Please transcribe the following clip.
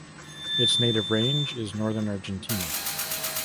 Its native range is northern Argentina.